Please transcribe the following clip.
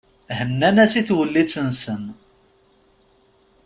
Hennan-as i twellit-nsen.